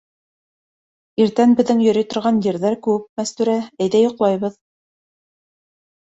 - Иртән беҙҙең йөрөй торған ерҙәр күп, Мәстүрә, әйҙә йоҡлайбыҙ.